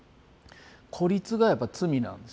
孤立がやっぱり罪なんです